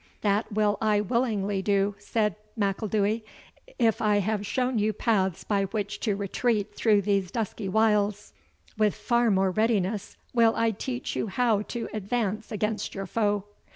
"That will I willingly do," said M'Ilduy; "if I have shown you paths by which to retreat through these dusky wilds, with far more readiness will I teach you how to advance against your foe."